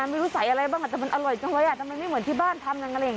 ไม่รู้ใส่อะไรบ้างแต่มันอร่อยจังไว้แต่มันไม่เหมือนที่บ้านทำอย่างนั้น